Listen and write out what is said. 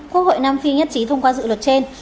quốc hội nam phi nhất trí thông qua dự luật trên